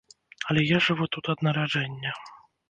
Але я жыву тут ад нараджэння.